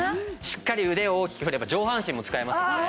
しっかり腕を大きく振れば上半身も使いますので。